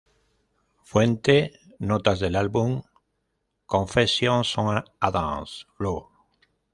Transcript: Fuente: notas del álbum "Confessions on a Dance Floor".